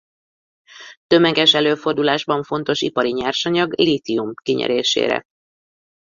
Tömeges előfordulásban fontos ipari nyersanyag lítium kinyerésére.